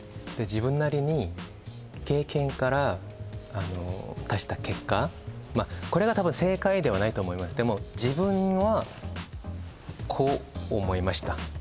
自分なりに経験から出した結果これが多分正解ではないと思いますでも自分はこう思いました